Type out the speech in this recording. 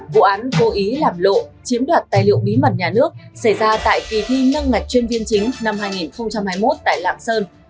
vụ án cố ý làm lộ chiếm đoạt tài liệu bí mật nhà nước xảy ra tại kỳ thi nâng ngạch chuyên viên chính năm hai nghìn hai mươi một tại lạng sơn